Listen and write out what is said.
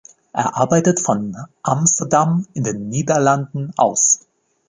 Er arbeitet von Amsterdam in den Niederlanden aus.